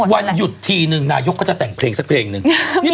วันหยุดทีนึงนายกก็จะแต่งเพลงสักเพลงหนึ่ง